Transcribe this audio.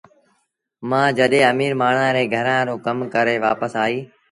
مآ جڏهيݩ اميٚر مآڻهآݩ ري گھرآݩ رو ڪم ڪري وآپس آئيٚ